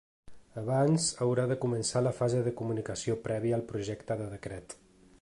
Abans haurà de començar la fase de comunicació prèvia al projecte de decret.